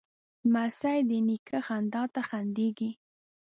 لمسی د نیکه خندا ته خندېږي.